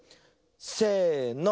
せの。